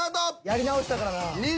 やり直したからな。